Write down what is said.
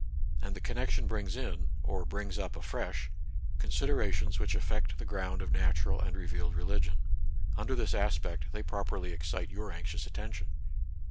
And the connection brings in, or brings up afresh, considerations which affect the ground of natural and revealed religion. Under this aspect, they properly excite your anxious atten tion.